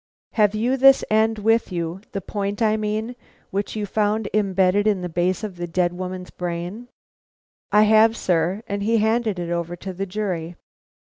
"Have you this end with you, the point, I mean, which you found imbedded at the base of the dead woman's brain?" "I have, sir"; and he handed it over to the jury.